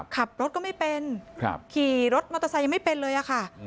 ขับรถก็ไม่เป็นขี่รถมอเตอร์ไซค์ไม่เป็นเลยอะค่ะ